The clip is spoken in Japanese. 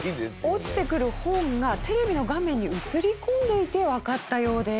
落ちてくる本がテレビの画面に映り込んでいてわかったようです。